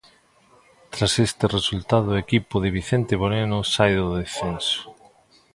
Tras este resultado o equipo de Vicente Moreno sae do descenso.